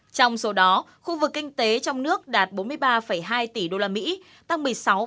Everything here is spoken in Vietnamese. trong số đó khu vực kinh tế trong nước đạt bốn mươi ba hai tỷ usd tăng một mươi sáu